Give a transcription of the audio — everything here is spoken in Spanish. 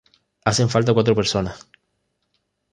Hacen falta cuatro personas.